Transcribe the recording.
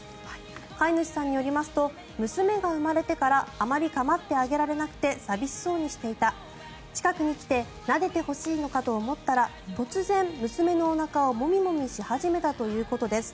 飼い主さんによりますと娘が生まれてからあまり構ってあげられなくて寂しそうにしていた近くに来てなでてほしいのかと思ったら突然、娘のおなかをモミモミし始めたということです。